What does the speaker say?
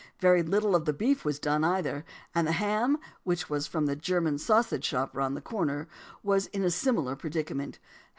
Very little of the beef was done either; and the ham (which was from the German sausage shop round the corner) was in a similar predicament.